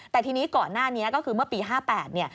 แต่ที่นี่ก่อนหน้านี้ก็คือเมื่อปี๕๘